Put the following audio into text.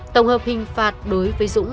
tổng hợp hình phạt đối với dũng